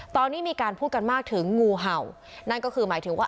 ตอนนี้มีการพูดกันมากถึงงูเห่านั่นก็คือหมายถึงว่า